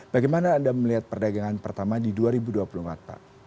bagaimana anda melihat perdagangan pertama di dua ribu dua puluh empat pak